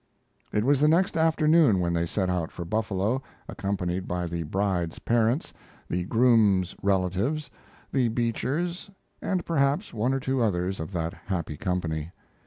] It was the next afternoon when they set out for Buffalo, accompanied by the bride's parents, the groom's relatives, the Beechers, and perhaps one or two others of that happy company.